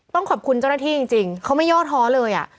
ต้องขอบคุณเจ้าหน้าที่จริงเขาไม่ย่อท้อเลย